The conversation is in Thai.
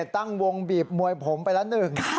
ตั้งวงบีบมวยผมไปละหนึ่ง